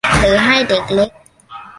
หรือให้เด็กเล็ก